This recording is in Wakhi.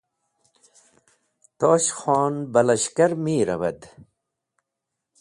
Tosh Khon bah lashkar mi rawad